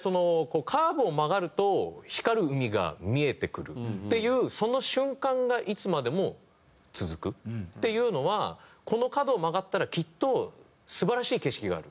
「カーブを曲がると光る海が見えてくる」っていうその瞬間がいつまでも続くっていうのはこの角を曲がったらきっと素晴らしい景色がある。